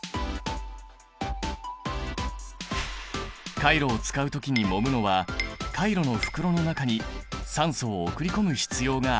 カイロを使う時にもむのはカイロの袋の中に酸素を送り込む必要があるからなんだ。